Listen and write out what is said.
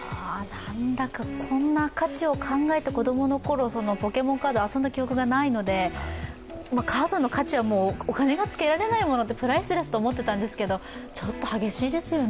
何だかこんな価値を考えて、子供のころ、ポケモンカード、遊んだ記憶がないのでカードの価値はお金がつけられないもの、プライスレスって思っていたんですけれどもちょっと激しいですよね。